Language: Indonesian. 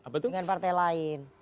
dengan partai lain